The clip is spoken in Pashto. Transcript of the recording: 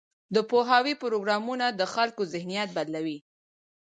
د پوهاوي پروګرامونه د خلکو ذهنیت بدلوي.